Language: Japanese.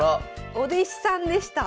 お弟子さんでした。